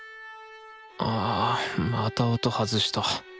あまた音外した！